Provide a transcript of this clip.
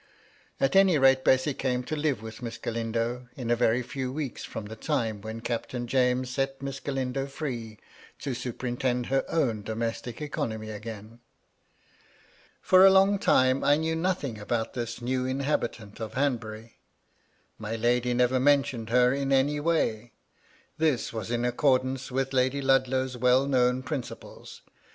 At any rate, Bessy came to live with Miss Galindo, in a very few weeks from the time when Captain James set Miss Galindo free to superintend her own domestic economy again. For a long time, I knew nothing about this new inhabitant of Hanbury. My lady never mentioned her in any way. This was in accordance with Lady Ludlow's well known principles.